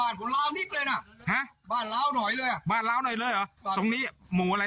นกมันดังแรงนะครับ